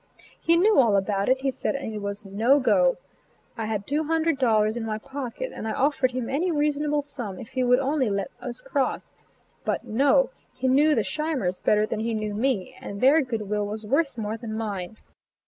He knew all about it, he said, and it was "no go." I had two hundred dollars in my pocket and I offered him any reasonable sum, if he would only let us cross; but no, he knew the Scheimers better than he knew me, and their goodwill was worth more than mine.